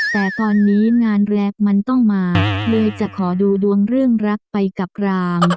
แต่ตอนนี้งานแรกมันต้องมาเลยจะขอดูดวงเรื่องรักไปกับราง